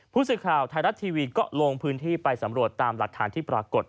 ผู้สื่อข่าวไทยรัฐทีวีก็ลงพื้นที่ไปสำรวจตามหลักฐานที่ปรากฏ